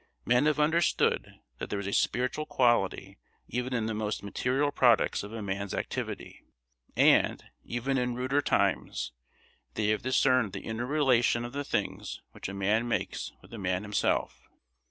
Men have understood that there is a spiritual quality even in the most material products of a man's activity, and, even in ruder times, they have discerned the inner relation of the things which a man makes with the man himself.